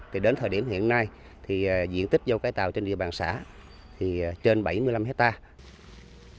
thì đến thời điểm hiện nay thì diện tích dâu cái tàu trên địa bàn xã thì trên bảy mươi năm hectare